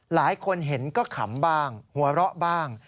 หลายคนเห็นก็ขำบ้างหัวเราะบ้าง